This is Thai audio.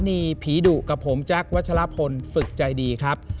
นีภีร์ดุกับผมจากวัชละพลฝึกใจดีครับ